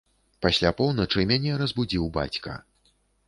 Пасля поўначы мяне разбудзіў бацька.